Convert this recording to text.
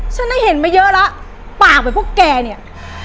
ฉันได้เห็นมาเยอะแล้วปากแบบพวกแกเนี่ย